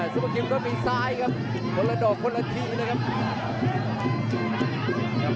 ซุปเปอร์คิมก็มีซ้ายครับคนละดอกคนละทีเลยครับ